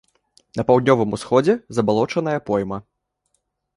На паўднёвым усходзе забалочаная пойма.